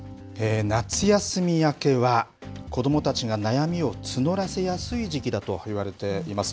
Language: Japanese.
夏休み明けは、子どもたちが悩みを募らせやすい時期だといわれています。